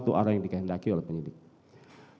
itu adalah yang dikehendaki oleh pemiksa